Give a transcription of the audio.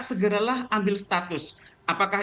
segeralah ambil status apakah